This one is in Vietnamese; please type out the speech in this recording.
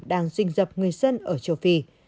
đang rinh rập người dân ở châu phi